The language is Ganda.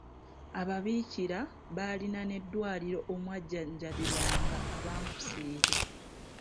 Ababiikira baalina n’eddwaliro omwajjanjabirwanga abankuseere.